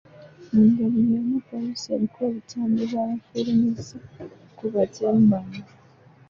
Mungeri yeemu, poliisi eriko obutambi bw’efulumizza ku batemu bano.